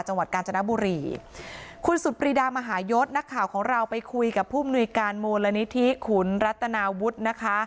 จังหวัดกาญจนบุรีคุณสุดปรีดามหายศนักข่าวของเราไปคุยกับผู้มนุยการมูลนิธิขุนรัตนาวุฒินะคะ